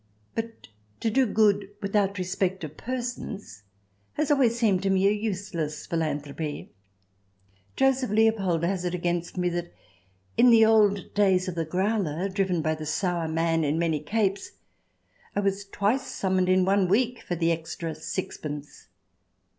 But to do good without respect of persons has always seemed to me a useless philanthropy. Joseph Leopold has it against me that in the old days of the " growler," driven by the sour man in many capes, I was twice summoned in one week for the extra sixpence.